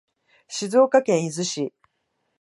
静岡県伊豆市